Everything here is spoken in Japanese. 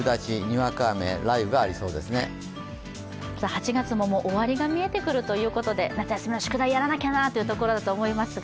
８月ももう終わりが見えてくるというところで夏休みの宿題やらなきゃなというところかと思いますが。